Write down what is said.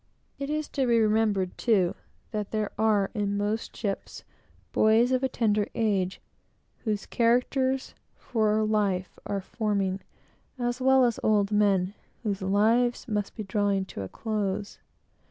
It is to be remembered, too, that there are, in most ships, boys of a tender age, whose characters for life are forming, as well as old men, whose lives must be drawing toward a close.